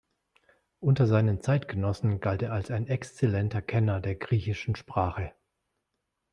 Unter seinen Zeitgenossen galt er als ein exzellenter Kenner der griechischen Sprache.